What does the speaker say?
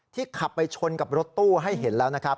ขับไปชนกับรถตู้ให้เห็นแล้วนะครับ